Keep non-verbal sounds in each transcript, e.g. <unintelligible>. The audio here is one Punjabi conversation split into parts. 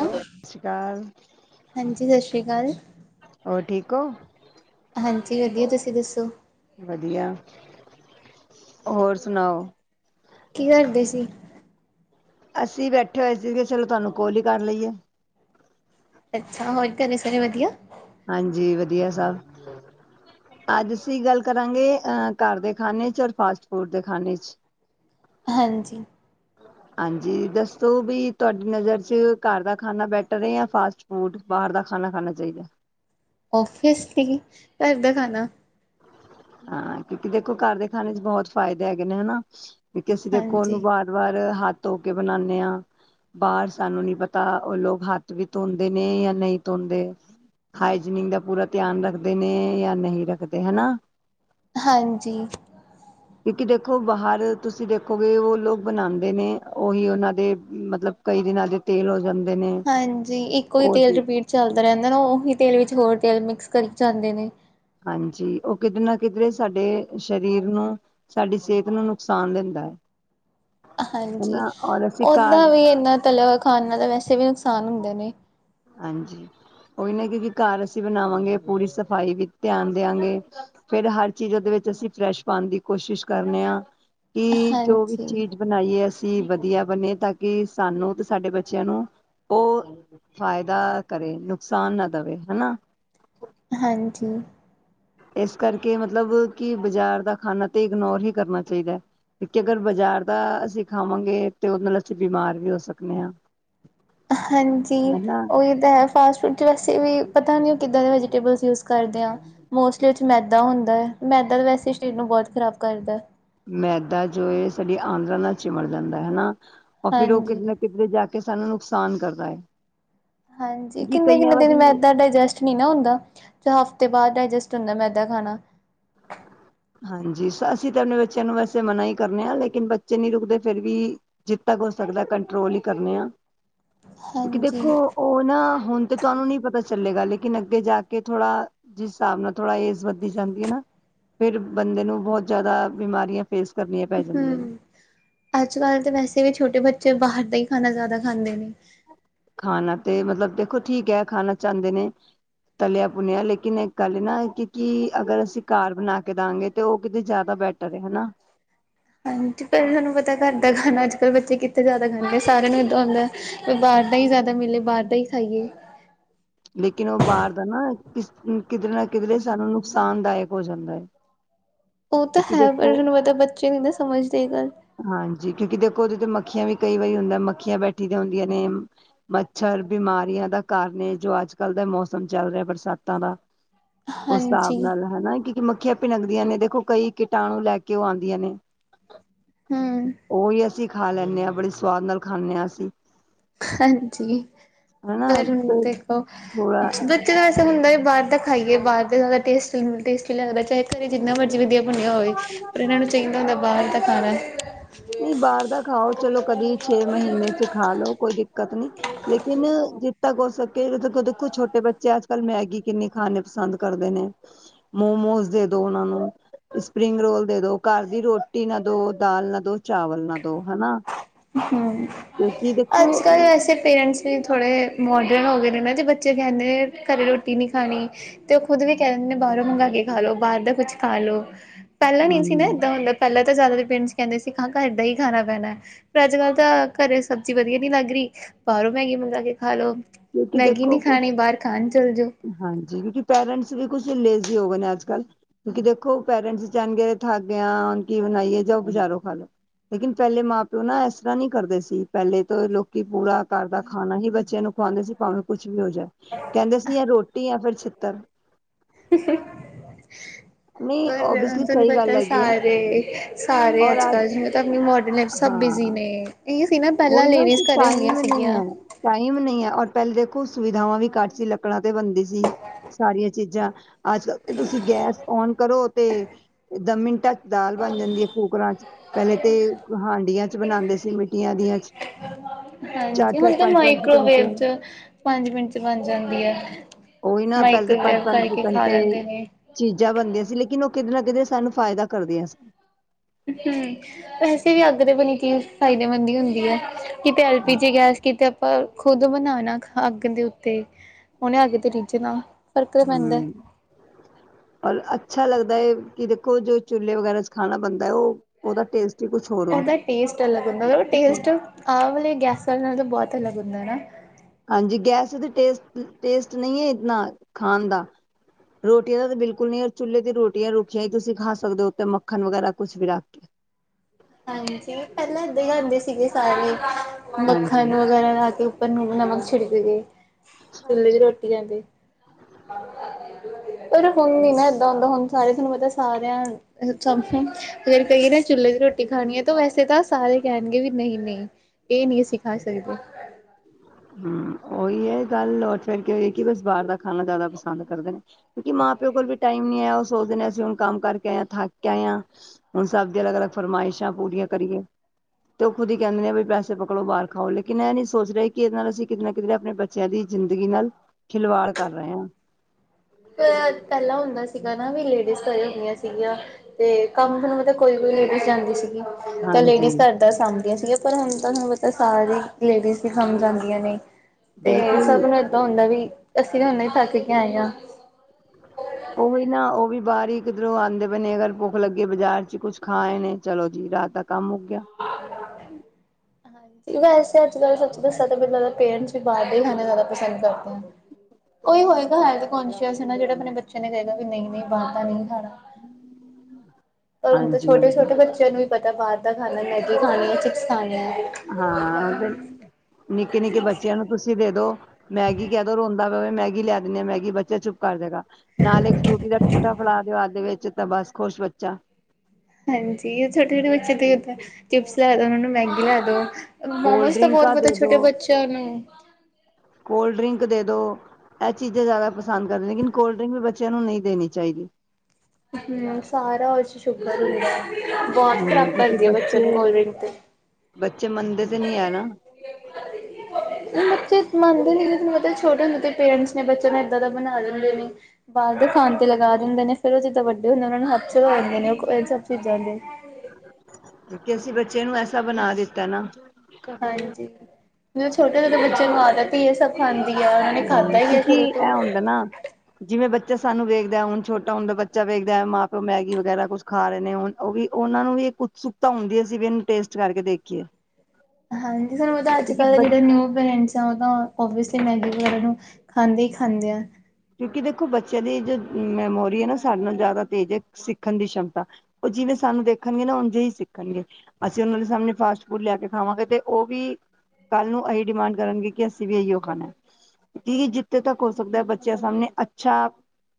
ਹੈਲੋ ਸਤਿ ਸ਼੍ਰੀ ਅਕਾਲ, ਹਾਂਜੀ ਸਤਿ ਸ਼੍ਰੀ ਅਕਾਲ ਔਰ ਠੀਕ ਓ। ਹਾਂਜੀ ਵਧੀਆ, ਤੁਸੀਂ ਦੱਸੋ। ਵਧੀਆ ਓਰ ਸੁਨਾਓ? ਕੀ ਕਰਦੇ ਸੀ? ਅਸੀਂ ਬੈਠੇ ਹੋਏ ਸੀਗੇ ਚਲੋ, ਤੁਆਨੂੰ ਕੋਲ ਈ ਕਰ ਲਈਏ। ਅੱਛਾ, ਹੋਰ ਘਰੇ ਸਾਰੇ ਵਧੀਆ। ਹਾਂਜੀ, ਵਧੀਆ ਸਭ। ਅੱਜ ਅਸੀਂ ਗੱਲ ਕਰਾਂਗੇ, ਆ ਘਰ ਦੇ ਖਾਨੇ 'ਚ ਔਰ ਫਾਸਟ ਫੂਡ ਦੇ ਖਾਨੇ 'ਚ। <inaudible> ਹਾਂਜੀ। ਹਾਂਜੀ ਦੱਸੋ, ਵੀ ਤੁਆਡੀ ਨਜ਼ਰ 'ਚ ਘਰ ਦਾ ਖਾਣਾ ਬੈਟਰ ਆ ਯਾਂ ਫਾਸਟ ਫੂਡ? ਫੂਡ ਬਾਰ ਦਾ ਖਾ ਖਾਣਾ ਚਾਈਦੈ। ਓਬਵਿਸਲੀ ਘਰ ਦਾ ਖਾਣਾ। ਹਾਂ, ਕਿਉਂਕਿ ਦੇਖੋ ਘਰ ਦੇ ਖਾਣੇ 'ਚ ਬੋਤ ਫਾਇਦੇ ਹੈਗੇ ਨੇ ਹਨਾ, ਕਿਉਂਕਿ ਅਸੀਂ ਦੇਖੋ ਹੁਣ ਹਾਂਜੀ ਬਾਰ ਬਾਰ ਹੱਥ ਧੋਕੇ ਬਣਾਨੇ ਆ। ਬਾਰ ਸਾਨੂੰ ਨੀ ਪਤਾ ਓ ਲੋਕ ਹੱਥ ਵੀ ਧੋਂਦੇ ਨੇ ਯਾਂ ਨਈਂ ਧੋਂਦੇ। ਹਾਈਜਨਿੰਕ ਦਾ ਪੂਰਾ ਧਿਆਨ ਰੱਖਦੇ ਨੇ ਯਾਂ ਨਹੀਂ ਰੱਖਦੇ, ਹਨਾ। ਹਾਂਜੀ। ਕਿਉਂਕਿ ਦੇਖੋ ਬਾਰ ਤੁਸੀਂ ਦੇਖੋਗੇ ਓ ਲੋਕ ਬਣਾਂਦੇ ਨੇ, ਓਈ ਓਨਾਂ ਦੇ ਮਤਲਬ ਕਈ ਦਿਨਾਂ ਦੇ ਤੇਲ ਹੋ ਜਾਂਦੇ ਨੇ। ਹਾਂਜੀ, ਇੱਕੋ ਈ ਉਹ ਤੇਲ ਰਿਪੀਟ ਚੱਲਦਾ ਰੈਂਦਾ ਨਾ, ਓਹੀ ਤੇਲ ਵਿੱਚ ਹੋਰ ਤੇਲ ਮਿਕਸ ਕਰੀ ਜਾਂਦੇ ਨੇ। ਹਾਂਜੀ, ਓ ਕਿਧਰੇ ਨਾ ਕਿਧਰੇ ਸਾਡੇ ਸ਼ਰੀਰ ਨੂੰ ਸਾਡੀ ਸੇਹਤ ਨੂੰ ਨੁਕਸਾਨ ਦਿੰਦੈ। ਹਾਂਜੀ, ਅਸੀਂ ਓਦਾਂ ਘਰ ਵੀ ਏਨਾਂ ਤਲਿਆ ਖਾਣ ਨਾਲ ਵੈਸੇ ਵੀ ਨੁਕਸਾਨ ਹੁੰਦੇ ਨੇ। ਹਾਂਜੀ, ਉਹੀ ਨਾ ਕਿੳਕਿ ਘਰ ਅਸੀਂ ਬਨਾਵਾਂਗੇ ਪੂਰੀ ਸਫ਼ਾਈ ਵਿੱਚ ਧਿਆਨ ਦਿਆਂਗੇ। ਫਿਰ ਹਰ ਚੀਜ਼ ਉਹਦੇ ਵਿੱਚ ਅਸੀਂ ਫਰੈਸ਼ ਪਾਨ ਦੀ ਕੋਸ਼ਿਸ਼ ਕਰਨੇ ਆ ਕਿ ਜੋ ਵੀ ਹਾਂਜੀ ਚੀਜ਼ ਬਨਾਈਏ ਅਸੀਂ ਵਧੀਆ ਬਨੇ ਤਾਂ ਕਿ ਸਾਨੂੰ ਤੇ ਸਾਡੇ ਬੱਚੇਆਂ ਨੂੰ ਉਹ ਫਾਇਦਾ ਕਰੇ ਨੁਕਸਾਨ ਨਾ ਦਵੇ ਹਨਾ। ਹਾਂਜੀ। ਇਸ ਕਰਕੇ ਮਤਲਬ ਕਿ ਬਜ਼ਾਰ ਦਾ ਖਾਨਾ ਤੇ ਇਗਨੋਰ ਹੀ ਕਰਨਾ ਚਾਹੀਦਾ। ਕਿਉਂਕਿ ਅਗਰ ਬਜ਼ਾਰ ਦਾ ਅਸੀਂ ਖਾਵਾਂਗੇ ਤੇ ਉਹਦੇ ਨਾਲ ਅਸੀਂ ਬਿਮਾਰ ਵੀ ਹੋ ਸਕਨੇ ਆ। ਹਾਂਜੀ ਉਹੀ ਤਾਂ ਹੈ ਫਾਸਟ ਫੂਡ 'ਚ ਵੈਸੇ ਵੀ ਪਤਾ ਨਹੀਂ ਉਹ ਕਿੱਦਾਂ ਦੇ ਵੈਜ ਵੈਜ ਯੂਜ ਕਰਦੇ ਆ। <unintelligible> ਮੋਸਟਲੀ ੳਹਦੇ ਚ ਮੈਦਾ ਹੁੰਦਾ ਮੈਦਾ ਤਾਂ ਵੈਸੇ ਸਰੀਰ ਨੂੰ ਬਹੁਤ ਖ਼ਰਾਬ ਕਰਦਾ। ਮੈਦਾ ਜੋ ਏ ਸਾਡੀ ਆਂਦਰਾ ਨਾਲ ਚਿਮੜ ਜਾਂਦਾ ਹਨਾ, ਉਹ ਫਿਰ ਉਹ ਕਿਧਰੇ ਹਾਂਜੀ, ਨਾ ਕਿਧਰੇ ਜਾ ਕੇ ਕੇ ਸਾਨੂੰ ਨੁਕਸਾਨ ਕਰਦਾ। ਹਾਂਜੀ, ਕਿਉਂਕਿ ਕਿੰਨੇ ਕਈਆਂ ਕਿੰਨੇ ਦਿਨ ਵਾਰੀ ਮੈਂਦਾ ਡਾਇਜੇਸਟ ਨਹੀਂ ਨਾ ਹੁੰਦਾ ਹਫ਼ਤੇ ਬਾਅਦ ਡਾਇਜੈਸਟ ਹੁੰਦਾ ਮੈਦਾ ਖਾਣਾ। ਹਾਂਜੀ ਅਸੀਂ ਤੇ ਅਪਨੇ ਬੱਚੇਆਂ ਨੂੰ ਵੈਸੇ ਮਨਾ ਹੀ ਕਰਨੇ ਆ ਲੇਕਿਨ ਬੱਚੇ ਨੀ ਰੁਕਦੇ ਫੇਰ ਵੀ ਜਿੱਤ ਤੱਕ ਹੋ ਸਕਦਾ ਕੰਟਰੋਲ ਈ ਕਰਨੇ ਆ ਕਿਉਂਕਿ ਹਾਂਜੀ। ਦੇਖੋ ਉਹ ਨਾ ਹੁਨ ਤੇ ਤੁਹਾਨੂੰ ਨੀ ਪਤਾ ਚੱਲੇਗਾ ਲੇਕਿਨ ਅੱਗੇ ਜਾ ਕੇ ਥੋੜਾ ਜਿਸ ਸਾਬ ਨਾਲ ਥੋੜਾ ਏਜ਼ ਵੱਧਦੀ ਜਾਂਦੀ ਏ ਨਾ। ਫਿਰ ਬੰਦੇ ਨੂੰ ਬੋਤ ਜੈਦਾ ਬਿਮਾਰੀਆਂ ਫੇਸ ਕਰਨੀਆਂ ਪੈ ਜਾਂਦੀਆਂ ਨੇ। ਅੱਜ ਕੱਲ੍ਹ ਤੇ ਵੈਸੇ ਵੀ ਛੋਟੇ ਬੱਚੇ ਬਾਹਰ ਦਾ ਹੀ ਖਾਣਾ ਜੈਦਾ ਖਾਂਦੇ ਨੇ। ਖਾਨਾ ਤੇ ਮਤਲਬ ਦੇਖੋ ਠੀਕ ਹੈ ਖਾਨਾ ਚਾਂਹਦੇ ਨੇ ਤਲਿਆ ਭੁਨਿਆ ਲੇਕਿਨ ਇਕ ਗੱਲ ਏ ਨਾ ਕਿ ਕਿ ਅਗਰ ਅਸੀਂ ਘਾਰ ਬਨਾ ਕੇ ਦਾਂਗੇ ਤੇ ਉਹ ਕਿਤੇ ਜੈਦਾ ਬੈਟ ਟਰ ਏ ਹਨਾ। <unintelligible> ਹਾਂਜੀ, ਪਰ ਤੁਹਾਨੂੰ ਪਤਾ ਘਰ ਦਾ ਖਾਨਾ ਅੱਜ ਕੱਲ੍ਹ ਬੱਚੇ ਕਿੱਥੇ ਜੈਦਾ ਖਾਂਦੇ ਸਾਰਿਆਂ ਨੂੰ ਏਦਾਂ ਹੁੰਂਦੈ ਕਿ ਬਾਰ ਦਾ ਹੀ ਜੈਦਾ ਮਿਲੇ ਬਾਰ ਦਾ ਹੀ ਖਾਈਏ। ਲੇਕਿਨ ਉਹ ਬਾਰ ਦਾ ਨਾ ਕਿਸ ਕਿਧਰੇ ਨਾ ਕਿਧਰੇ ਸਾਨੂੰ ਨੁਕਸਾਨਦਾਇਕ ਹੋ ਜਾਂਦਾ। ਉਹ ਤਾਂ ਕਿਉਂਕਿ ਹੈ ਦੇਖੋ ਪਰ ਥੋਨੂੰ ਪਤਾ ਬੱਚੇ ਨੀ ਨਾ ਸਮਝਦੇ ਇਹ ਗੱਲ। ਹਾਂਜੀ ਕਿਉਂਕਿ ਦੇਖੋ ਉਹਦੇ ਤੇ ਮੱਖੀਆਂ ਵੀ ਕਈ ਵਾਰੀ ਹੁੰਦਾ ਮੱਖੀਆਂ ਬੈਠੀ ਦੀਆਂ ਹੁੰਦੀਆਂ ਨੇ। ਮੱਛਰ ਬਿਮਾਰੀਆਂ ਦਾ ਕਾਰਨ ਏ, ਜੋ ਅੱਜ ਕੱਲ੍ਹ ਦਾ ਮੌਸਮ ਚੱਲ ਰਿਹਾ ਬਰਸਾਤਾਂ ਦਾ। ੳਸ ਹਾਂਜੀ ਸਾਬ ਨਾਲ ਹਨਾ ਕਿਉਂਕਿ ਮੱਖੀਆਂ ਭਿਨਕਦੀਆਂ ਨੇ ਦੇਖੋ ਕਈ ਕੀਟਾਣੂ ਲੈ ਕੇ ਉਹ ਆਂਦੀਆਂ ਨੇ। ਹੁ ਉਹੀ ਅਸੀਂ ਖਾ ਲੈਂਨੇ ਆ ਬੜੀ ਸਵਾਦ ਨਾਲ ਖਾਂਨੇ ਅਸੀਂ। ਹਾਂਜੀ ਹਨਾ ਪਰ ਹੁਨ ਤੇ ਦੇਖੋ ਥੋੜਾ ਬੱਚੇ ਨਾ ਇਹ ਹੁੰਦਾ ਬਾਹਰ ਦਾ ਖਾਈਏ ਬਾਹਰ ਦਾ ਜੈਦਾ ਟੇਸਟੀ ਟੇਸਟੀ ਲਗਦੈ ਚਾਹੇ ਘਰੇ ਜਿੰਨਾਂ ਮਰਜ਼ੀ ਵਧੀਆ ਬਣਿਆ ਹੋਵੇ ਪਰ ਇਹਨਾਂ ਨੂੰ ਚਾਹੀਦਾ ਹੁੰਦਾ ਬਾਹਰ ਦਾ ਖਾਣਾ। ਨਹੀਂ ਬਾਹਰ ਦਾ ਖਾਓ ਚਲੋ ਕਦੀ ਛੇ ਮਹੀਨੇ 'ਚ ਖਾ ਲੋ ਕੋਈ ਦਿੱਕ ਦਿੱਕਤ ਨੀ ਲੇਕਿਨ ਜਿ ਤੱਕ ਹੋ ਸਕੇ ਜ ਦੇਖੋ ਛੋਟੇ ਬੱਚੇ ਅੱਜ ਕੱਲ੍ਹ ਮੈਗੀ ਕਿੰਨੀ ਖਾਨੀ ਪਸੰਦ ਕਰਦੇ ਨੇ। ਮੋਮੋਜ਼ ਦੇ ਦੋ ਉਹਨਾਂ ਨੂੰ। ਸਪਰਿੰਗ ਰੋਲ ਦੇ ਦੋ ਘਰ ਦੀ ਰੋਟੀ ਨਾ ਦੋ ਦਾਲ ਨਾ ਦੋ ਚਾਵਲ ਨਾ ਦੋ ਹਨਾ। ਹੁ ਕਿਉਂਕਿ ਦੇਖੋ ਅੱਜ ਕੱਲ ਵੈਸੇ ਪੇਰੈਂਟਸ ਵੀ ਥੋੜ੍ਹੇ ਮੋਡਰਨ ਹੋ ਗਏ ਨੇ ਨਾ ਜੇ ਬੱਚੇ ਕਹਿੰਦੇ ਘਰੇ ਰੋਟੀ ਨਹੀਂ ਖਾਣੀ। ਤੇ ਉਹ ਖੁਦ ਵੀ ਕਹਿ ਦਿੰਦੇ ਨੇ ਬਾਹਰੋਂ ਮੰਗਾ ਕੇ ਖਾ ਲੋ ਬਾਹਰ ਦਾ ਕੁਛ ਖਾ ਲੋ ਪਹਿਲਾਂ ਨਹੀ ਸੀ ਨਾ ਹਮ ਏਦਾਂ ਹੁੰਦਾ ਪਹਿਲਾਂ ਤਾਂ ਜੈਦਾਤਰ ਪਿੰਡ ਚ ਕਹਿੰਦੇ ਸੀ ਕਿ ਹਾਂ ਘਰ ਦਾਂ ਹੀ ਖਾਨਾ ਪੈਨਾ। ਪਰ ਅੱਜ-ਕੱਲ੍ਹ ਤਾਂ ਘਰੇ ਸਬਜ਼ੀ ਵਧੀਆ ਨੀ ਲੱਗ ਰੀ, ਬਾਰੋਂ ਮੈਗੀ ਮੰਗਵਾ ਕੇ ਖਾ ਲੋ। ਕਿਉਂਕਿ ਮੈਗੀ ਦੇਖੋ ਨੀਂ ਕੁ ਖਾਣੀ, ਬਾਰ ਖਾਣ ਚਲ ਜੋ। ਹਾਂਜੀ! ਕਿਉਂਕਿ ਪੇਰੈਂਟਸ ਵੀ ਕੁਛ ਲੇਜ਼ੀ ਹੋ ਗਏ ਨੇ ਅੱਜ ਕੱਲ। ਕਿਉਂਕਿ ਦੇਖੋ ਪੇਰੈਂਟਸ ਕੈਣਗੇ ਥੱਕ ਗਿਆ, ਕੀ ਬਣਾਈਏ ਜਾਓ ਬਜ਼ਾਰੋ ਖਾਲੋ। ਲੇਕਿਨ ਪੈਲੇ ਮਾਂ ਪਿਓ ਨਾ ਐਸ-ਤਰ੍ਹਾਂ ਨੀ ਕਰਦੇ ਸੀ, ਪੈਲੇ ਤਾਂ ਲੋਕੀ ਪੂਰਾ ਘਰ ਦਾ ਖਾਣਾ ਹੀ ਬੱਚਿਆਂ ਨੂੰ ਖਵਾਂਦੇ ਸੀ ਭਾਵੇਂ ਕੁੱਛ ਵੀ ਹੋ ਜਾਏ। <inaudible> ਕੈਂਦੇ ਸੀ ਯਾ ਰੋਟੀ ਯਾ ਫੇਰ ਛਿੱਤਰ। ਨਹੀਂ ਪਰ ਓਬੀਅਸਲੀ ਤੁਆਨੂੰ ਸਹੀ ਗੱਲ ਪਤਾ ਹੈਗੀ ਹੈ ਸਾਰੇ, ਸਾਰੇ ਅੱਜ ਕੱਲ੍ਹ ਮਲਬ ਮੋਡਰਨਸ ਸਭ ਬਿਜ਼ੀ ਹਾਂ ਨੇ, ਇਯੋ ਸੀ ਨਾ ਪੈਲਾਂ ਉਹੀ ਲੇਡੀਜ਼ ਕਿ ਘਰੇ ਹੁੰਦੀਆਂ ਟਾਈਮ ਨਹੀਂ ਸੀਗੀਆਂ ਹੈ ਟਾਈਮ ਨਈ ਐ ਔਰ ਪੈਲੇ ਦੇਖੋ ਸੁਵਿਧਾਵਾਂ ਵੀ ਘੱਟ ਸੀ, ਲੱਕੜਾਂ ਤੇ ਬਣਦੀ ਸੀ। ਸਾਰੀਆਂ ਚੀਜ਼ਾਂ। ਅੱਜ ਤੁਸੀਂ ਗੈਸ ਔਨ ਕਰੋ ਤੇ ਇਦਾਂ ਮਿੰਟਾਂ ਚ ਦਾਲ ਬਣ ਜਾਂਦੀ ਏ ਕੂਕਰਾਂ ਚ। ਪੈਲੇ ਤੇ ਹਾਂਡੀਆਂ ਚ ਬਣਾਂਦੇ ਸੀ ਮਿੱਟੀਆਂ ਦੀਆਂ 'ਚ। ਚਾਰ ਹਾਂਜੀ ਚਾਰ ਹੁਣ ਤਾਂ ਪੰਜ ਪੰਜ ਘੰਟੇ ਮਾਈਕ੍ਰੋਵੇਵ 'ਚ ਪੰਜ ਮਿੰਟ 'ਚ ਬਣ ਜਾਂਦੀ ਐ। ਉਹੀ ਨਾ ਪਹਿਲੇ ਪੰਜ ਮਾਈਕਰੋਵੇਵ ਪੰਜ ਕਰਕੇ ਖਾ ਘੰਟੇ ਲੈਂਦੇ ਨੇ। ਚੀਜ਼ਾਂ ਬਣਦੀਆਂ ਸੀ ਲੇਕਿਨ ਓ ਕਿਦਰੇ ਨਾ ਕਿਦਰੇ ਸਾਨੂੰ ਫਾਇਦਾ ਕਰਦੀਆਂ ਸੀ। ਹੂੰ। ਵੈਸੇ ਵੀ ਅੱਗ ਦੇ ਬਣੀ ਚੀਜ ਫਾਇਦੇਮੰਦ ਹੁੰਦੀ ਏ। ਕਿਤੇ ਐਲ ਪੀ ਹਾਂ ਜੀ ਗੈਸ ਕਿਤੇ ਆਪਾਂ ਖੁੱਦ ਬਨਾਣਾ ਅੱਗ ਦੇ ਉੱਤੇ। ਓਨੇ ਅੱਗ ਤੇ ਰੀਝਣਾ। ਹੂੰ। ਅਲ ਅੱਛਾ ਲੱਗਦਾ ਏ ਕਿ ਦੇਖੋ ਜੋ ਚੁੱਲ੍ਹੇ ਵਗੈਰਾ ਚ ਖਾਣਾ ਬਣਦੈ, ਓ ਓਦਾ ਟੇਸਟ ਹੀ ਕੁਛ ਹੋਰ ਓਦਾ ਹੁੰਦਾ ਟੇਸਟ ਅਲੱਗ ਹੁੰਦਾ। ਓਹ ਟੇਸਟ ਆ ਵਾਲੇ ਗੈਸਾਂ ਨਾਲੋਂ ਤੇ ਬੋਤ ਅਲੱਗ ਹੁੰਦਾ ਹਨਾਂ। ਹਾਂਜੀ, ਗੈਸ ਤੇ 'ਤੇ ਟੇਸਟ-ਟੇਸਟ ਨਈਂ ਐ ਇਤਨਾ ਖਾਨ ਦਾ। ਰੋਟੀਆਂ ਦਾ ਤਾਂ ਬਿਲਕੁਲ ਨਈ। ਚੁੱਲ੍ਹੇ ਦੀ ਰੋਟੀਆਂ ਰੁੱਖੀਆਂ ਹੀ ਤੁਸੀਂ ਖਾ ਸਕਦੇ ਹੋ ਉੱਥੇ ਮੱਖਣ ਵਗੈਰਾ ਕੁੱਝ ਵੀ ਰੱਖ ਕੇ ਹਾਂਜੀ ਪਹਿਲਾਂ ਏਦਾਂ ਹੀ ਆਦੇ ਸੀਗੇ ਸਾਰੇ, ਹਾਂਜੀ ਮੱਖਣ ਵਗੈਰਾ ਲਾ ਕੇ ਪਰ ਨੂੰ ਨਮਕ ਛਿੜਕ ਕੇ, ਚੁੱਲ੍ਹੇ ਦੀ ਰੋਟੀ ਲੈ ਕੇ। ਪਰ ਹੁਣ ਨੀ ਨਾ ਏਦਾਂ ਹੁੰਦਾ ਹੁਣ ਸਾਰੇ ਤੁਾਨੂੰ ਪਤਾ ਸਾਰਿਆਂ ਸ ਫੇਰ ਕਈ ਨਾ ਚੁੱਲ੍ਹੇ ਦੀ ਰੋਟੀ ਖਾਣੀ ਏ ਤਾਂ ਵੈਸੇ ਤਾਂ ਸਾਰੇ ਕੈਣਗੇ ਵੀ ਨਈ ਨਈ। ਏ ਨਹੀਂ ਅਸੀਂ ਖਾ ਸਕਦੇ। ਹੂੰ, ਓਹੀ ਏ ਗਲ੍ਹ। ਹਲਉਠ ਫਿਰ ਕੇ ਏਕ ਈ ਬਸ ਬਾਹਰ ਦਾ ਖਾਣਾ ਜਾਦਾ ਪਸੰਦ ਕਰਦੇ ਨੇ। ਕਿਉਂਕ ਮਾਂ-ਪਿਓ ਕੋਲ ਵੀ ਟਾਈਮ ਨੀ ਐ, ਓ ਸੋਚਦੇ ਨੇ ਅਸੀ ਹੁਨ ਕੰਮ ਕਰਕੇ ਆਇ ਆਂ, ਥੱਕ ਕੇ ਆਇ ਆਂ। ਹੁਣ ਸਭ ਦੀ ਅਲੱਗ- ਅਲੱਗ ਫਰਮਾਇਸ਼ਾਂ ਪੂਰੀਆਂ ਕਰੀਏ। ਤੇ ਓ ਖੁਦ ਈ ਕੈਂਦੇ ਨੇ ਵੀ ਪੈਸੇ ਪਕੜੋ ਬਾਰ ਖਾਓ। ਲੇਕਿਨ ਐ ਨੀਂ ਸੋਚ ਰੇ ਕਿ ਏਦੇ ਨਾਲ ਅਸੀਂ ਕਿਤੇ ਨਾ ਕਿਤੇ ਆਪਣੇ ਬੱਚਿਆਂ ਦੀ ਜ਼ਿੰਦਗੀ ਨਾਲ ਖਿਲਵਾੜ ਕਰ ਰਏ ਆਂ। ਪਹਿਲਾਂ ਹੁੰਦਾ ਸੀਗਾ ਨਾ ਵੀ ਲੇਡੀਜ਼ ਘਰੇ ਹੁੰਦੀਆਂ ਸੀਗੀਆਂ। ਤੇ ਕੰਮ ਕਰਨ ਨੂੰ ਤੇ ਕੋਈ ਵੀ ਲੇਡੀਜ਼ ਜਾਂਦੀ ਸੀਗੀ ਤਾਂ ਹਾਂਜੀ ਲੇਡੀਜ਼ ਕਰ ਦਾਂ ਸਾਂਭਦੀਆਂ ਸੀਗੀਆਂ ਪਰ ਹੁਣ ਤਾਂ ਤੁਹਾਨੂੰ ਪਤਾ ਸਾਰੀ ਲੇਡੀਜ਼ ਵੀ ਕੰਮ ਜਾਂਦੀਆਂ ਨੇ। ਤੇ ਸਭ ਬਿਲਕੁਲ ਨੂੰ ਏਦਾਂ ਹੁੰਦਾ ਵੀ ਅਸੀਂ ਵੀ ਹੋਨੇ ਥੱਕ ਕੇ ਆਏ ਆਂ। ਓਹੀ ਨਾ ਓ ਵੀ ਬਾਰ ਈ ਕਿੱਧਰੋਂ ਆਂਦੇ ਪਏ ਨੇ ਅਗਰ ਭੁੱਖ ਲੱਗੀ ਏ, ਬਾਜ਼ਾਰ ਚ ਕੁੱਛ ਖਾ ਆਏ ਨੇ ਚਲੋ ਜੀ ਰਾਤ ਦਾ ਕੰਮ ਮੁੱਕ ਗਿਆ। ਵੈਸੇ ਅੱਜ ਕੱਲ੍ਹ ਸੱਚ ਦਸਾਂ ਤੇ ਮੈਨੂੰ ਲੱਗਦੈ ਪੇਰੈਂਟਸ ਵੀ ਬਾਰ ਦੇ ਖਾਣਾ ਜ਼ਿਆਦਾ ਪਸੰਦ ਕਰਦੇ ਆ। ਕੋਈ ਹੋਏਗਾ ਹੈਲਥ ਕੋਂਸ਼ਿਅਸ ਜੇੜਾ ਆਪਣੇ ਬੱਚਿਆਂ ਨੂੰ ਕਏਗਾ ਵੀ ਨਈਂ-ਨਈਂ ਬਾਰ ਦਾ ਨੀ ਖਾਣਾ। ਪਰ ਹੁਣ ਤੇ ਹਾਂਜੀ ਛੋਟੇ ਹਾਂਜੀ ਛੋਟੇ ਬੱਚੇ ਚਿਆਂ ਨੂੰ ਵੀ ਪਤਾ ਬਾਰ ਦਾ ਖਾਣਾ, ਮੈਗੀ ਖਾਣੀ ਏ, ਚਿਪਸ ਖਾਣੀ ਐ। ਹਾਂ ਤੇ, ਨਿੱਕੇ-ਨਿੱਕੇ ਬੱਚੇਆਂ ਨੂੰ ਤੁਸੀਂ ਦੇ ਦੋ ਮੈਗੀ ਕੈ ਦੋ ਰੋਂਦਾ ਵੇ ਮੈਗੀ ਲਿਆ ਦਿੰਨੀ ਆ, ਮੈਗੀ ਬੱਚੇ ਚੁੱਪ ਕਰਜੇਗਾ। ਨਾਲੇ ਇੱਕ ਫਰੂਟੀ ਦਾ ਠੂਠਾ ਫੜਾ ਦਿਓ ਹੱਥ ਦੇ ਵਿੱਚ ਤਾਂ ਬਸ ਖੁਸ਼ ਬੱਚਾ। ਹਾਂਜੀ, ਓ ਛੋਟੇ-ਛੋਟੇ ਬੱਚੇ ਦੇ ਚਿਪਸ ਲੈ ਦੋ ਓਨਾਂ ਨੂੰ ਮੈਗੀ ਲੇਆ ਦੋ, ਕੋਲਡ ਮੋਮੋਸ ਤਾਂ ਬੋਤ ਡਰਿੰਕਾਂ ਪਤਾ ਦੇ ਛੋਟੇ ਦੋ ਬੱਚੇਆਂ ਨੂੰ ਕੋਲਡ ਡਰਿੰਕ ਦੇ ਦੋ, ਐ ਚੀਜ਼ਾਂ ਜਾਦਾ ਪਸੰਦ ਕਰਦੇ ਨੇ ਲੇਕਿਨ ਕੋਲਡ ਡਰਿੰਕ ਵੀ ਬੱਚੇਆਂ ਨੂੰ ਨਈ ਦੇਨੀ ਚਾਈਦੀ। ਹੂੰ ਸਾਰਾ ਓ ਚ ਸੂਗਰ ਹੁੰਦਾ ਬੋਤ ਹਮ ਖ਼ਰਾਬ ਕਿਉਂਕਿ ਕਰਦੀ ਆ ਬੱਚੇਆਂ ਬੱਚੇ ਨੂੰ ਕੋਲਡ ਡਰਿੰਕ ਤੇ। ਬੱਚੇ ਮੰਨਦੇ ਤੇ ਨਈ ਹੈ ਨਾ। ਬੱਚੇ ਮੰਨਦੇ ਨੀ ਲੇਕਿਨ ਮਤਲਬ ਛੋਟੇ ਹੁੰਦੇ ਤੇ ਪੇਰੈਂਟਸ ਨੇ ਬੱਚੇਆਂ ਨੂੰ ਏਦਾਂ ਦਾ ਬਨਾ ਦਿੰਦੇ ਨੇ। ਬਾਰ ਦੇ ਖਾਨ ਤੇ ਲਗਾ ਦਿੰਦੇ ਨੇ ਫੇਰ ਓ ਜਿੱਦਾਂ ਵੱਡੇ ਹੁੰਦੇ ਨੇ, ਓਨਾਂ ਨੂੰ ਹੈਬਚੁਅਲ ਹੋ ਜਾਂਦੇ ਨੇ ਓ ਏ ਸਬ ਚੀਜ਼ਾਂ ਦੇ। ਕਿਓਂਕਿ ਅਸੀਂ ਬੱਚੇਆਂ ਨੂੰ ਐਸਾ ਬਨਾ ਦਿੱਤਾ ਐ ਨਾ। ਹਾਂਜੀ, ਹੁਨ ਛੋਟੇ ਜਦੋਂ ਬੱਚੇ ਕਿਉਂਕਿ ਨੂੰ ਆਦਤ ਈ ਏ ਸਬ ਖਾਂਦੀ ਐ, ਓਨੇ ਖਾਦਾ ਹਮ ਈ ਨੀ ਕਿਉਂਕਿ ਸ਼ੁਰੂ ਤੋਂ ਇਹ ਹੁੰਦਾ ਨਾ ਜਿਵੇਂ ਬੱਚਾ ਸਾਨੂੰ ਵੇਖਦਾ ਹੁਨ ਛੋਟਾ ਹੁੰਦਾ ਬੱਚਾ ਵੇਖਦਾ ਮਾਂ-ਪਿਓ ਮੈਗੀ ਵਗੈਰਾ ਕੁਛ ਖਾ ਰਏ ਨੇ ਹੁਨ ਓ ਵੀ ਓਨਾਂ ਨੂੰ ਵੀ ਇੱਕ ਉਤਸੁਕਤਾ ਹੁੰਦੀ ਐ ਅਸੀਂ ਵੀ ਏਨੂੰ ਟੇਸਟ ਕਰਕੇ ਦੇਖੀਏ ਹਾਂਜੀ ਓ ਤਾਂ ਕਿਉਂਕਿ ਅੱਜ-ਕੱਲ ਦੇ ਬ ਜੇੜੇ ਨਿਊ ਪੇਰੈਂਟਸ ਆ ਓ ਤਾਂ ਓਵੀਸਲੀ ਮੈਗੀ ਵਗੈਰਾ ਨੂੰ ਖਾਂਦੇ ਈ ਖਾਂਦੇ ਆ। ਕਿਓਂਕਿ ਦੇਖੋ ਬੱਚੇਆਂ ਦੀ ਜੋ ਮੈਮੋਰੀ ਐ ਨਾ ਸਾਡੇ ਨਾਲੋ ਜਾਦਾ ਤੇਜ਼ ਐ ਸਿੱਖਨ ਦੀ ਸਮਤਾ। ਓ ਜਿਵੇਂ ਸਾਨੂੰ ਦੇਖਨਗੇ ਨਾ ਉਂਝੇ ਈ ਸਿੱਖਨਗੇ। ਅਸੀਂ ਓਨਾਂ ਦੇ ਸਾਮਨੇ ਫਾਸਟ ਫੂਡ ਲੇਆ ਕੇ ਖਾਵਾਂਗੇ ਤੇ ਓ ਵੀ ਕੱਲ ਨੂੰ ਏਹੀ ਡਿਮਾਂਡ ਕਰਨਗੇ ਕੇ ਅਸੀਂ ਵੀ ਏਈਓ ਖਾਨਾ, ਕੀ ਜਿੱਥੋਂ ਤੱਕ ਹੋ ਸਕਦਾ ਬੱ ਬੱਚੇਆਂ ਸਾਮਨੇ ਅੱਛਾ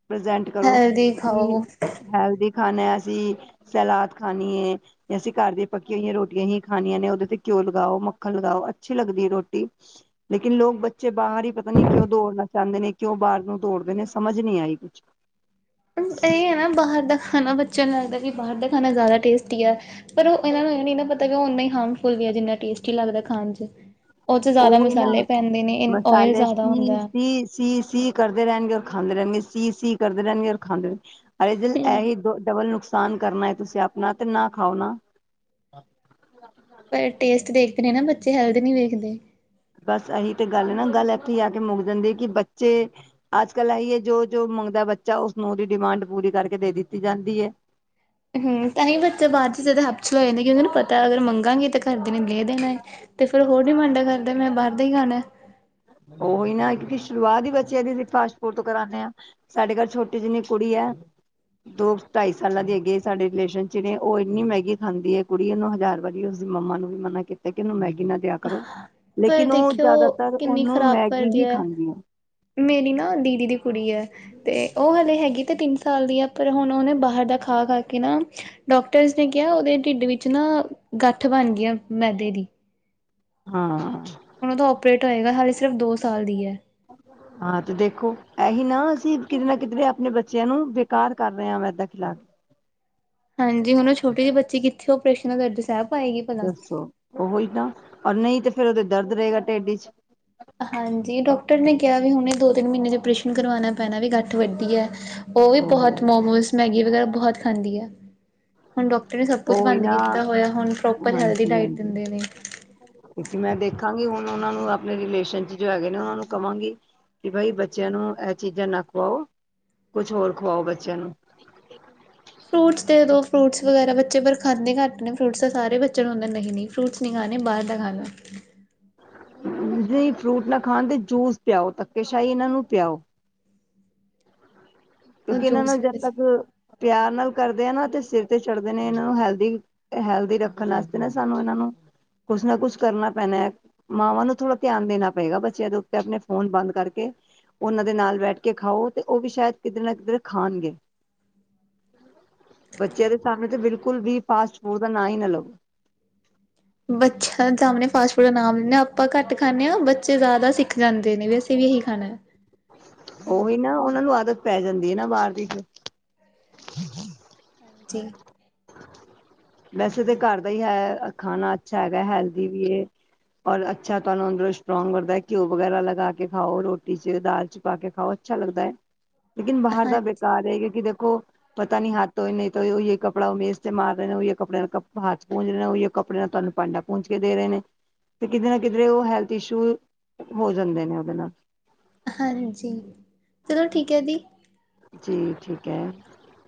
ਪ੍ਰਜੈਂਟ ਕਰੋ ਹੈਲਦੀ ਕੀ ਖਾਓ ਹੈਲਦੀ ਖਾਨਾ ਅਸੀਂ, ਸਲਾਦ ਖਾਨੀ ਏ। ਜਾਂ ਅਸੀਂ ਘਰ ਦੀਆਂ ਪੱਕੀ ਹੋਈਆਂ ਰੋਟੀਆਂ ਹੀ ਖਾਨੀਆਂ ਨੇ ਓਦੇ ਤੇ ਘਿਓ ਲਗਾਓ, ਮੱਖਨ ਲਗਾਓ, ਅੱਛੀ ਲੱਗਦੀ ਐ ਰੋਟੀ। ਲੇਕਿਨ ਲੋਕ ਬੱਚੇ ਬਾਰ ਈ ਪਤਾ ਨੀ ਕਿਉਂ ਦੋੜਨਾ ਚਾਂਦੇ ਨੇ। ਕਿਉਂ ਬਾਰ ਨੂੰ ਦੋੜਦੇ ਨੇ ਸਮਝ ਨੀ ਆਈ ਕੁਛ। ਬਸ ਏ ਐ ਨਾ ਬਾਹਰ ਦਾ ਖਾਨਾ ਬੱਚੇਆਂ ਨੂੰ ਐਂ ਲੱਗਦਾ ਵੀ ਬਾਹਰ ਦਾ ਖਾਨਾ ਜਾਦਾ ਟੇਸਟੀ ਐ। ਪਰ ਓ ਏਨਾਂ ਨੂੰ ਏ ਨੀ ਨਾ ਪਤਾ ਕੇ ਓ ਓਨਾ ਈ ਹਾਰਮਫੁੱਲ ਵੀ ਐ, ਜਿੰਨਾ ਟੇਸਟੀ ਲੱਗਦਾ ਖਾਨ ਚ ਓ ਚ ਜਾਦਾ ਉਹੀ ਨਾ ਮਸਾਲੇ ਪੈਂਦੇ ਨੇ ਇ ਓਇਲ ਜਾਦਾ ਹੁੰਦਾ। ਸੀ-ਸੀ ਕਰਦੇ ਰੈਨਗੇ ਔਰ ਖਾਂਦੇ ਰੈਨਗੇ ਸੀ-ਸੀ ਕਰਦੇ ਰੈਨਗੇ ਔਰ ਖਾਂਦੇ ਅਰੇ ਜੇ ਹੂੰ ਐਈ ਦੋ ਡਬਲ ਨੁਕਸਾਨ ਕਰਨੈ ਤੁਸੀਂ ਆਪਨਾ ਤੇ ਨਾ ਖਾਓ ਨਾ। ਪਰ ਟੇਸਟ ਦੇਖਦੇ ਨੇ ਨਾ ਬੱਚੇ ਹੈਲਦ ਨੀ ਵੇਖਦੇ। ਬਸ ਏਹੀ ਤੇ ਗੱਲ ਨਾ ਗੱਲ ਏਥੀ ਆ ਕੇ ਮੁੱਕ ਜਾਂਦੀ ਐ ਕੀ ਬੱਚੇ ਅੱਜ-ਕੱਲ ਐਈ ਐ ਜੋ-ਜੋ ਮੰਗਦਾ ਬੱਚਾ ਉਸਨੂੰ ਓਦੀ ਡਿਮਾਂਡ ਪੂਰੀ ਕਰਕੇ ਦੇ ਦਿੱਤੀ ਜਾਂਦੀ ਐ। ਤਾਂਈਓ ਬੱਚੇ ਬਾਰ ਚ ਜਾਦਾ ਹੈਬਚੁਅਲ ਹੋ ਜਾਂਦੇ ਕੀ ਓਨਾਂ ਨੂੰ ਪਤਾ ਅਗਰ ਮੰਗਾਂਗੇ ਤੇ ਘਰ ਦੇ ਨੇ ਲੇ ਦੇਨਾ ਏ ਤੇ ਫਿਰ ਓ ਹੋਰ ਡਿਮਾਂਡਾ ਕਰਦਾ ਮੈਂ ਬਾਰ ਦਾ ਈ ਖਾਨਾ ਓਹੀ ਨਾ ਇੱਕ ਕੀ ਸ਼ੁਰੂਆਤ ਈ ਬੱਚੇਆਂ ਦੀ ਅਸੀਂ ਫਾਸਟ ਫੂਡ ਤੋਂ ਕਰਾਨੇ ਆਂ। ਸਾਡੇ ਘਰ ਛੋਟੀ ਜਿੰਨੀ ਕੁੜੀ ਐ, ਦੋ ਢਾਈ ਸਾਲਾਂ ਦੀ ਹੈਗੀ ਐ ਸਾਡੇ ਰਿਲੇਸ਼ਨ ਚ ਨੇ ਓ ਇੰਨੀ ਮੈਗੀ ਖਾਂਦੀ ਐ ਕੁੜੀ ਓਨੂੰ ਹਜ਼ਾਰ ਵਾਰ ਉਸਦੀ ਮੰਮਾ ਨੂੰ ਵੀ ਮਨਾ ਕੀਤਾ ਕੇ ਏਨੂੰ ਮੈਗੀ ਨਾ ਦਿਆ ਕਰੋ, ਪਰ ਲੇਕਿਨ ਓ ਦੇਖਿਓ ਜਾਦਾਤਰ ਕਿੰਨੀ ਓਨੂੰ ਖ਼ਰਾਬ ਮੈਗੀ ਕਰਦੀ ਹੀ ਐ। ਖਾਂਦੀ ਆ। ਮੇਰੀ ਨਾ ਦੀਦੀ ਦੀ ਕੁੜੀ ਐ ਤੇ ਓ ਹਲੇ ਹੈਗੀ ਤੇ ਤਿੰਨ ਸਾਲ ਦੀ ਆ, ਪਰ ਹੁਨ ਓਨੇ ਬਾਹਰ ਦਾ ਖਾ-ਖਾ ਕੇ ਨਾ ਡੋਕਟਰਸ ਨੇ ਕਿਆ ਓਦੇ ਢਿੱਡ ਵਿੱਚ ਨਾ, ਗੱਠ ਬਨ ਗਈ ਆ ਮੈਦੇ ਦੀ। ਹਾਂ। ਹੁਣ ਉਹਦਾ ਓਪਰੇਟ ਹੋਏਗਾ, ਹਾਲੇ ਸਿਰਫ਼ ਦੋ ਸਾਲ ਦੀ ਹੈ। <inaudible> ਹਾਂ ਤੇ ਦੇਖੋ ਇਹੀ ਨਾ ਅਸੀਂ ਕਿਤੇ ਨਾ ਕਿਤੇ ਆਪਣੇ ਬੱਚਿਆਂ ਨੂੰ ਬੇਕਾਰ ਕਰ ਰਹੇ ਆ ਮੇਦਾ ਖਿਲਾ- ਹਾਂਜੀ ਹੁਣ ਓ ਛੋਟੀ ਜਹੀ ਬੱਚੀ ਕਿੱਥੇ ਓਪਰੇਸ਼ਨ ਦਰਦੀ ਸਾ- ਦੱਸੋ ਉਹੀ ਤਾਂ ਔਰ ਨਹੀਂ ਤੇ ਫੇਰ ਉਹਦੇ ਦਰਦ ਰਹੇਂਗਾ ਪੇਟ ਇਚ। ਹਾਂਜੀ ਡਾਕਟਰ ਨੇ ਕਿਹਾ ਵੀ ਹੁਣੇ ਦੋ- ਤਿੰਨ ਮਹੀਨੇ ਚ ਆਪਰੇਸ਼ਨ ਕਰਵਾਉਣਾ ਪੈਣਾ ਵੀ ਗੱਠ ਵੱਡੀ ਐ। ਉਹ ਵੀ ਤਾ ਬਹੋਤ ਮੋਮੀਸ, ਮੈਂਗੀ ਵਗ਼ੈਰਾ ਬਹੋਤ ਖਾਂਦੀ ਐ। ਹੁਣ ਡਾਕਟਰ ਨੇ ਸਭ ਕੁਛ ਉਹੀ ਬੰਦ ਨਾ ਕੀਤਾ ਹੋਇਆ ਹੁਣ ਪ੍ਰੋਪਰ ਹੈਲਦੀ ਡਾਇਟ ਦਿੰਦੇ ਨੇ। ਕਿਉਕਿ ਮੈਂ ਦੇਖਾਂਗੀ ਹੁਣ ਉਹਨਾਂ ਨੂੰ ਆਪਣੇ ਰਿਲੇਸ਼ਨ ਚ ਜੋ ਹੈਗੇ ਨੇ ਉਹਨਾਂ ਨੂੰ ਕਹਾਂਗੀ। ਕਿ ਬਾਈ ਬੱਚਿਆਂ ਨੂੰ ਇਹ ਚੀਜ਼ਾਂ ਨਾ ਖੂਆਓ, ਕੁਛ ਹੋਰ ਖਵਾਓ ਬੱਚਿਆਂ ਨੂੰ। ਫਰੂਟਸ ਦੇ ਦੋ ਫਰੂਟਸ ਵਗੈਰਾ ਬੱਚੇ ਪਰ ਖਾਂਦੇ ਘੱਟ ਨੇ ਫਰੂਟਸ ਦਾ ਸਾਰੇ ਬੱਚਿਆਂ ਨੂੰ ਹੁੰਦਾ ਨਹੀਂ- ਨਹੀਂ ਫਰੂਟਸ- ਨਹੀਂ ਖਾਣੇ ਬਾਹਰ ਦਾ ਖਾਣਾ। <inaudible> ਜੇ ਫਰੂਟ ਨਾ ਖਾਣ ਤੇ ਜੂਸ ਪਿਆਓ ਧੱਕੇ ਸ਼ਾਹੀ ਇਹਨਾਂ ਨੂੰ ਪਿਆਓ। ਕਿਉਂਕਿ ਇਹਨਾਂ ਜੂਸ ਨੂੰ ਜਦ ਤੱਕ ਪਿਆਰ ਨਾਲ ਕਰਦੇ ਆ ਨਾ ਤੇ ਸਿਰ ਤੇ ਚੜਦੇ ਨੇ ਇਹਨਾਂ ਨੂੰ ਹੈਲਦੀ- ਹੈਲਦੀ ਰੱਖਣ ਵਾਸਤੇ ਨਾ ਸਾਨੂੰ ਇਹਨਾਂ ਨੂੰ ਕੁਛ ਨਾ ਕੁਛ ਕਰਨਾ ਪੈਣਾ ਐ। ਮਾਵਾਂ ਨੂੰ ਥੋੜਾ ਧਿਆਨ ਦੇਣਾ ਪਏਗਾ ਬੱਚਿਆਂ ਦੇ ਉੱਤੇ ਆਪਣੇ ਫ਼ੋਨ ਬੰਦ ਕਰਕੇ। ਉਹਨਾਂ ਦੇ ਨਾਲ ਬੈਠ ਕੇ ਖਾਓ ਤੇ ਉਹ ਵੀ ਸ਼ਾਇਦ ਕਿਧਰੇ ਨਾ ਕਿਧਰੇ ਖਾਣਗੇ। ਬੱਚਿਆਂ ਦੇ ਸਾਹਮਣੇ ਤੇ ਬਿਲਕੁਲ ਵੀ ਫਾਸਟ ਫੂਡ ਦਾ ਨਾਂ ਈ ਨਾ ਲਵੋ। ਬੱਚਿਆਂ ਸਾਹਮਣੇ ਫਾਸਟ ਫੂਡ ਆ ਨਾਮ ਆ ਆਪਾਂ ਘੱਟ ਖਾਂਣੇ ਆ‌ ਬੱਚੇ ਜ਼ਿਆਦਾ ਸਿੱਖ ਜਾਂਦੇ ਨੇ ਵੀ ਅਸੀਂ ਵੀ ਇਹੀ ਖਾਣਾ। ਉਹੀ ਨਾ ਉਹਨਾਂ ਨੂੰ ਆਦਤ ਪੈ ਜਾਂਦੀ ਐ ਨਾ ਬਾਹਰ ਦੀ ਫੇ- ਹਾਂਜੀ। ਵੈਸੇ ਤੇ ਘਰ ਦਾ ਹੀ ਹੈ ਖਾਣਾ ਅੱਛਾ ਹੈਗਾ ਹੈਲਦੀ ਵੀ ਇਹ। ਔਰ ਅੱਛਾ ਤੁਹਾਨੂੰ ਅੰਦਰੋਂ ਸਟਰੋਂਗ ਕਰਦਾ ਘਿਓ ਵਗੈਰਾ ਲੱਗਾ ਕੇ ਖਾਓ ਰੋਟੀ ਚ ਦਾਲ ਚ ਪਾ ਕੇ ਖਾਓ। ਅੱਛਾ ਲੱਗਦਾ ਐ, ਲੇਕਿਨ ਬਾਹਰ ਦਾ ਹਾਂਜੀ ਬੇਕਾਰ ਏ, ਕਿਉਂਕਿ ਦੇਖੋ ਪਤਾ ਨੀ ਹੱਥ ਧੋਏ ਨਹੀਂ ਧੋਏ ਉਈਓ ਕ- ਕੱਪੜਾ ਮੇਜ਼ ਤੇ ਮਾਰ ਰਹੇ ਨੇ, ਉਹੀ ਕੱੜਿਆਂ ਹੱਥ ਪੂੰਜ ਰਹੇ ਨੇ, ਉਹੀ ਕੱਪੜੇ ਨਾਲ ਤੁਹਾਨੂੰ ਪਾਂਡਾ ਪੂੰਜ ਕੇ ਦੇ ਰਹੇ ਨੇ। ਤੇ ਕਿੱਧਰੇ ਨਾ ਕਿੱਧਰੇ ਹੈਲਥ ਇੰਛੋ ਹੋ ਜਾਂਦੇ ਨੇ ਉਹਦੇ ਨਾਲ। ਹਾਂਜੀ ਚੱਲੋ ਠੀਕ ਐ ਦੀ। ਜੀ ਠੀਕ ਐ,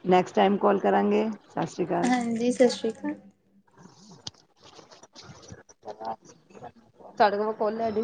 ਨੈਕਸਟ ਟਾਈਮ ਕੋਲ ਕਰਾਂਗੇ। ਸ਼ਸ਼੍ਰੀ ਅਕਾਲ। ਹਾਂਜੀ, ਸਤਿ ਸ਼੍ਰੀ ਅਕਾਲ। ਤੁਹਾਡੇ ਕੋਲੋਂ ਕੋਨ ਲੈ ਗਈ?